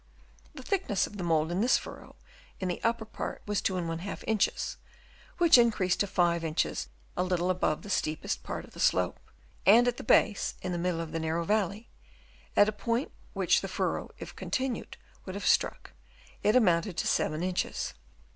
The thickness of the mould in this furrow in the upper part was 2\ inches, which increased to 5 inches a little above the steepest part of the slope ; and at the base, in the middle of the narrow valley, at a point which the furrow if con tinued would have struck, it amounted to 7 inches.